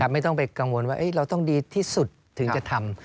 ไม่ต้องไปกังวลว่าเราต้องดีที่สุดถึงจะทำ